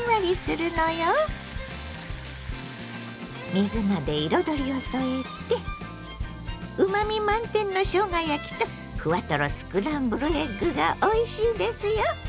水菜で彩りを添えてうまみ満点のしょうが焼きとふわとろスクランブルエッグがおいしいですよ。